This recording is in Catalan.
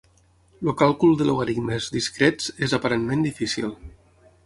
El càlcul de logaritmes discrets és aparentment difícil.